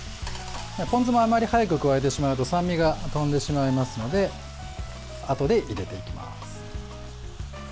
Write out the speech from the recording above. ポン酢もあまり早く加えてしまうと酸味がとんでしまいますのであとで入れていきます。